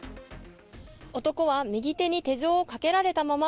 男は右手に手錠をかけられたまま